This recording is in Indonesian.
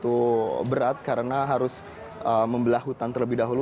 itu berat karena harus membelah hutan terlebih dahulu